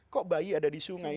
kok bayi ada di sungai